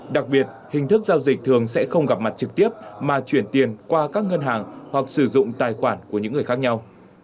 đặc biệt hình thức giao dịch thường sẽ không gặp mặt trực tiếp mà chuyển tiền qua các ngân hàng hoặc sử dụng tài khoản của những người khác nhau